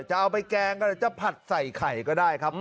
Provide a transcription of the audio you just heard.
จะเอาไปแกงก็จะผัดใส่ไข่ก็ได้ครับ